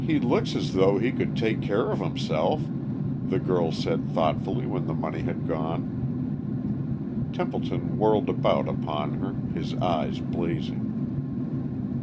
"He looks as though he could take care of himself," the girl said thoughtfully when the money had gone. Templeton whirled about upon her, his eyes blazing.